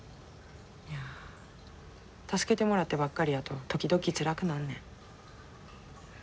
いや助けてもらってばっかりやと時々つらくなんねん。